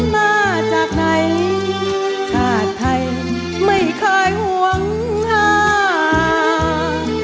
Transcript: มาจากไหนชาติไทยไม่เคยห่วงหา